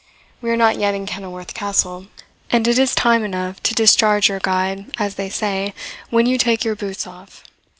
We are not yet in Kenilworth Castle, and it is time enough to discharge your guide, as they say, when you take your boots off.